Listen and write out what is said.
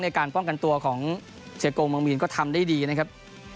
ในการป้องกันตัวของเสียโกงเมืองมีนก็ทำได้ดีนะครับ